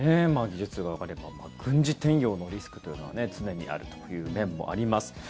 技術が上がれば軍事転用のリスクというのは常にあるという面もあります。